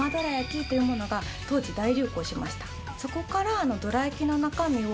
そこから。